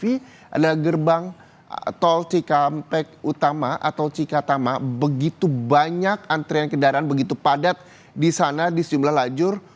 sehingga anda bisa melihat di mana ada gerbang tol cikatama begitu banyak antrean kendaraan begitu padat di sana di sejumlah lajur